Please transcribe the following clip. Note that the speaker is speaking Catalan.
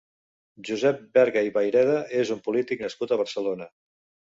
Josep Berga i Vayreda és un polític nascut a Barcelona.